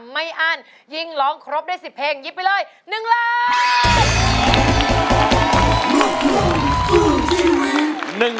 ไม่อั้นยิ่งร้องครบได้๑๐เพลงยิบไปเลย๑ล้าน